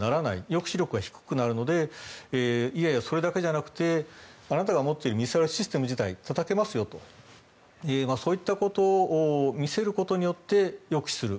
抑止力は低くなるのでいやいや、それだけじゃなくてあなたが持っているミサイルシステム自体をたたけますよとそういったことを見せることによって抑止する。